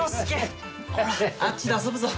ほらあっちで遊ぶぞ。